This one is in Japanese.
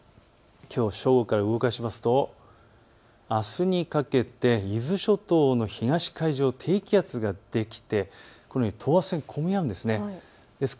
きょう正午から動かしますとあすにかけて伊豆諸島の東海上、低気圧ができて等圧線がこみ合うんです。